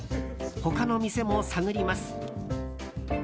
他の店も探ります。